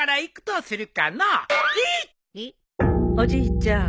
おじいちゃん